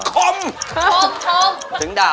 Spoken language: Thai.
พระเจ้าตากศิลป์